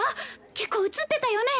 結構映ってたよね！